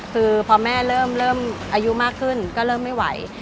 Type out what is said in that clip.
คือพอแม่เริ่มอายุมากขึ้นก็เริ่มไม่ไหว